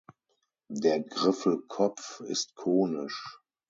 Der Griffelkopf ist konisch.